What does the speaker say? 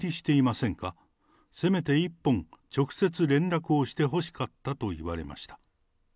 せめて一本、直接連絡をしてほしかったと言われました。